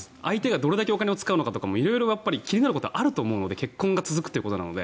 どれくらいお金を使うのかとか色々気になることはあると思うので結婚が続くということなので。